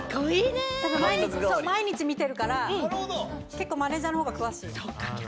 毎日見てるから、結構マネジャーの方が詳しい。